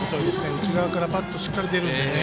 内側からバットがしっかり出るんでね。